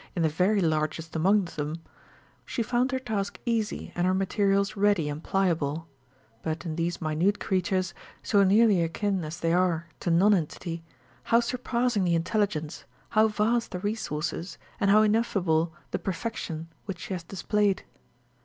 in the very largest among them, she found her task easy and her materials ready and pliable ; but in these minute creatures, so nearly akin as they are to non entity, how surpassing the intelligence, how vast the resources, and how ineffable the perfection which she has displayed.